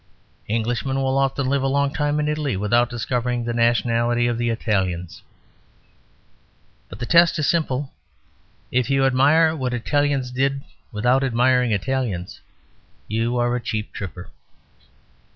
Englishmen will often live a long time in Italy without discovering the nationality of the Italians. But the test is simple. If you admire what Italians did without admiring Italians you are a cheap tripper.